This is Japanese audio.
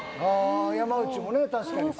ああ山内もね